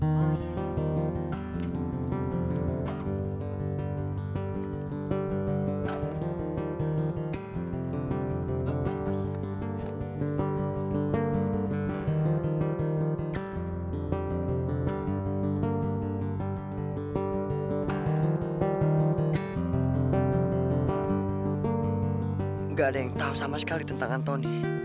enggak ada yang tahu sama sekali tentang antoni